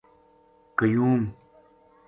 قیو م